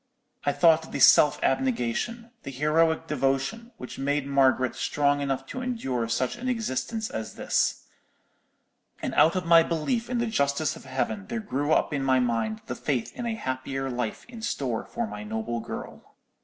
I thought of the self abnegation, the heroic devotion, which made Margaret strong enough to endure such an existence as this: and out of my belief in the justice of Heaven there grew up in my mind the faith in a happier life in store for my noble girl.